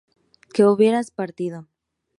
que hubieran partido